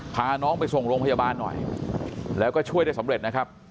พาน้องไปส่งโรงพยาบาลหน่อยแล้วก็ช่วยได้สำเร็จนะครับ